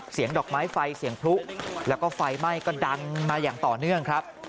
ดอกไม้ไฟเสียงพลุแล้วก็ไฟไหม้ก็ดังมาอย่างต่อเนื่องครับ